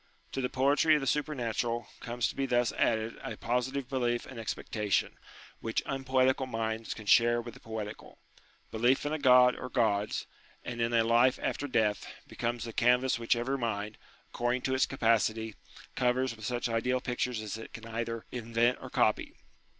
To the poetry of the supernatural, comes to be thus added a positive belief and expecta tion, which unpoetical minds can share with the poetical. Belief in a God or Gods, and in a life after death, becomes the canvas which every mind, accord ing to its capacity, covers with such ideal pictures as it can either invent or copy.